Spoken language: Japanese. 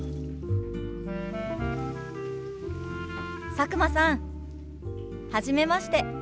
佐久間さんはじめまして。